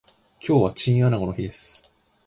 今日はチンアナゴの日です